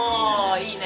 いいね！